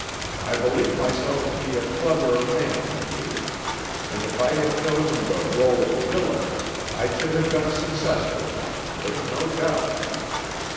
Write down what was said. I believe myself to be a cleverer man than you, and if I had chosen the rôle of villain I should have been a successful one, there is no doubt.